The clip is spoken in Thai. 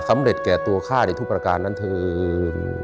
สำเร็จแก่ตัวข้าในทุกประการนั้นถึง